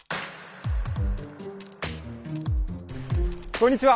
こんにちは！